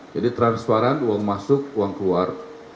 jadi transparan uang masuk uang keluar